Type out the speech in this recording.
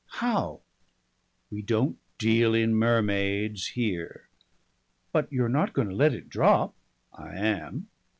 "How?" "We don't deal in mermaids here." "But you're not going to let it drop?" "I am."